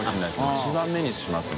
一番目にしますね。